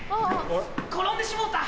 転んでしもうた。